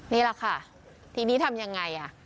นี่แหละค่ะทีนี้ทำยังไง